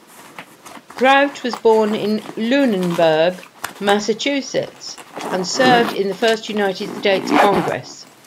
Grout was born in Lunenburg, Massachusetts and served in the First United States Congress.